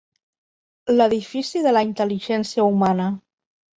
L'edifici de la intel·ligència humana.